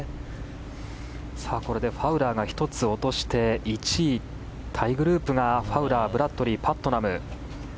これでファウラーが１つ落として１位タイグループがファウラー、ブラッドリーパットナム。